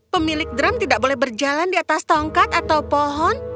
pemilik drum tidak boleh berjalan di atas tongkat atau pohon